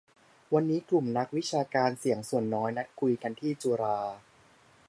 วันนี้กลุ่มนักวิชาการ"เสียงส่วนน้อย" นัดคุยกันที่จุฬา